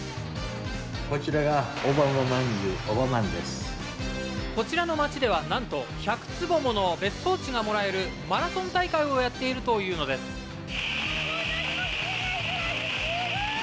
こちらがオバマまんじゅう、こちらの町ではなんと、１００坪もの別荘地がもらえるというマラソン大会をやっているともう何も見えないぐらい！